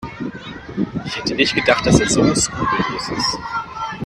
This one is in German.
Ich hätte nicht gedacht, dass er so skrupellos ist.